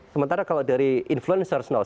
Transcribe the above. sementara kalau dari influencers satu